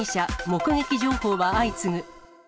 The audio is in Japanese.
目撃情報は相次ぐ。